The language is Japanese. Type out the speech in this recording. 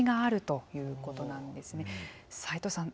齊藤さん